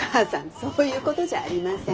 そういうことじゃありません。